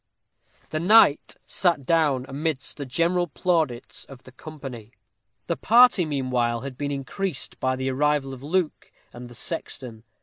_ The knight sat down amidst the general plaudits of the company. The party, meanwhile, had been increased by the arrival of Luke and the sexton.